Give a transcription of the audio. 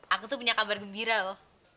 aku tuh punya kabar gembira loh